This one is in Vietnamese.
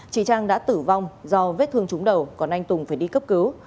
chị trang đã tử vong do vết thương trúng đầu còn anh tùng phải đi cấp cứu